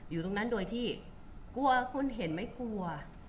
อยู่ตรงนั้นโดยที่กลัวคนเห็นไม่กลัว